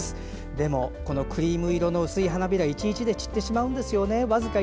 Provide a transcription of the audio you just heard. でもこのクリーム色の薄い花びら１日で散ってしまうんですよね。